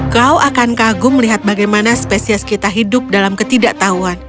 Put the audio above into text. kau akan kagum melihat bagaimana spesies kita hidup dalam ketidaktahuan